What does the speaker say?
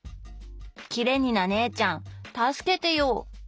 「きれになねぇちゃん、助けてよ。」